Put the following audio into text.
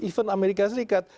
even amerika serikat